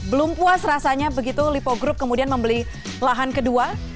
belum puas rasanya begitu lipo group kemudian membeli lahan kedua